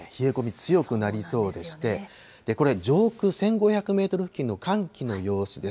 強くなりそうでして、これ、上空１５００メートル付近の寒気の様子です。